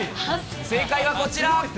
正解はこちら。